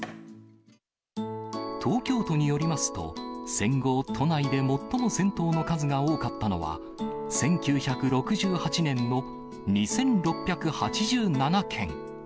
東京都によりますと、戦後、都内で最も銭湯の数が多かったのは、１９６８年の２６８７軒。